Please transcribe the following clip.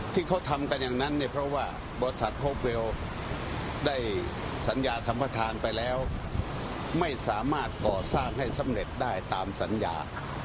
ที่เขาทำกันอย่างนั้นเนี่ยเพราะว่าบริษัทโฮเวลได้สัญญาสัมประธานไปแล้วไม่สามารถก่อสร้างให้สำเร็จได้ตามสัญญา